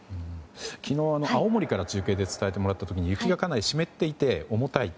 昨日、青森から中継で伝えてもらった時に雪がかなり湿っていて重たいと。